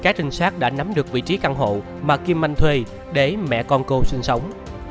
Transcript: các trinh sát đã nắm được vị trí căn hộ mà kim anh thuê để mẹ con cô sinh sống